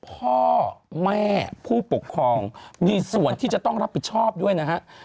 พ่อแม่ผู้ปกครองมีส่วนที่จะต้องรับผิดชอบด้วยนะฮะ